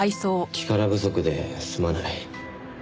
力不足ですまない。